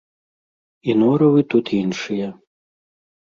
І норавы тут іншыя.